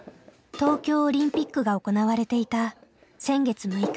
東京オリンピックが行われていた先月６日。